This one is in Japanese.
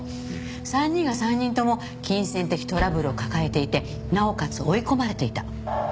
３人が３人共金銭的トラブルを抱えていてなおかつ追い込まれていた。